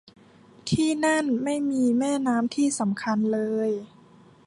ที่นั่นไม่มีแม่น้ำที่สำคัญเลย